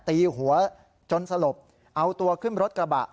ตีหัวจนสลบเอาตัวขึ้นรถกระบะ